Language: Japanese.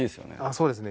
そうですね。